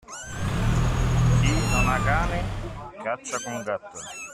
Chi non ha cane, caccia con gatto.